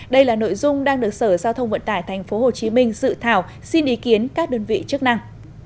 đây là nội dung đang được sở giao thông vận tải tp hcm dự thảo xin ý kiến các đơn vị chức năng